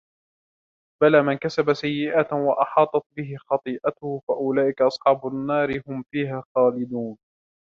بَلَى مَنْ كَسَبَ سَيِّئَةً وَأَحَاطَتْ بِهِ خَطِيئَتُهُ فَأُولَئِكَ أَصْحَابُ النَّارِ هُمْ فِيهَا خَالِدُونَ